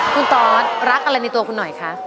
คุณตอสรักอะไรในตัวคุณหน่อยคะ